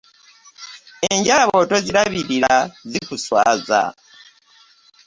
Enjala bwo tazirabirira zikuswaza.